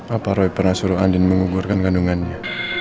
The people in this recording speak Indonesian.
apa roy pernah suruh andin menggugurkan kandungannya